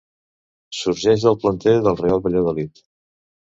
Sorgeix del planter del Real Valladolid.